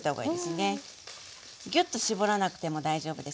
ギュッと絞らなくても大丈夫です。